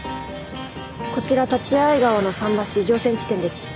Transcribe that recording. こちら立会川の桟橋乗船地点です。